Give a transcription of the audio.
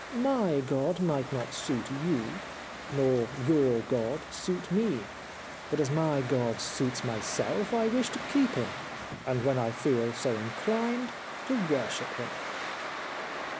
My God might not suit you, nor your God suit me, but as my God suits myself I wish to keep him, and when I feel so inclined to worship him.'